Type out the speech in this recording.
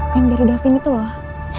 yang dari davin itulah